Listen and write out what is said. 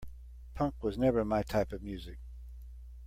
Punk was never my type of music.